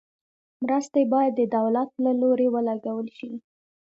مرستې باید د دولت له لوري ولګول شي.